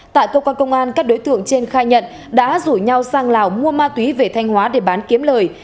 tại công an công an các đối tượng trên khai nhận đã rủi nhau sang lào mua ma túy về thanh hóa để bán kiếm lời